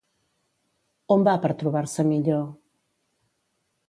On va per trobar-se millor?